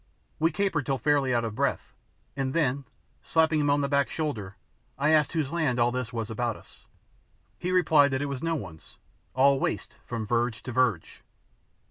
We capered till fairly out of breath, and then, slapping him on the back shoulder, I asked whose land all this was about us. He replied that it was no one's, all waste from verge to verge.